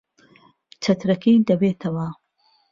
چەترەکەی دەوێتەوە.